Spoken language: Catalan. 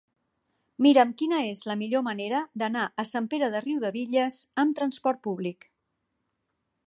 Mira'm quina és la millor manera d'anar a Sant Pere de Riudebitlles amb trasport públic.